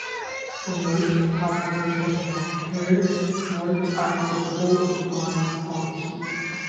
The most popular spectator sports are football and ice hockey.